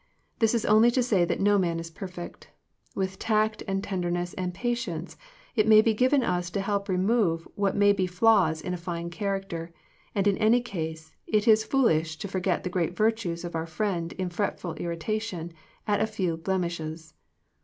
This is only to say that no man is perfect. With tact, and tender ness, and patience, it may be given us to help to remove what may be flaws in a fine character, and in any case it is fool ish to forget the great virtues of our friend in fretful irritation at a few blem ishes.